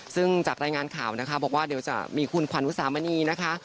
ซึ่งจากรายงานข่าวนะคะบอกว่าเดี๋ยวจะมีคุณขวัญอุสามณีนะคะ